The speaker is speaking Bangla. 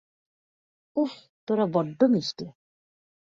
উফ, তোরা বড্ড মিষ্টি।